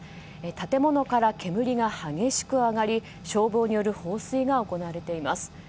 建物から煙が激しく上がり消防による放水が行われています。